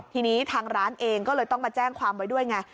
ทีนี้ทางร้านเองก็เลยต้องมาแจ้งความไว้ด้วยไง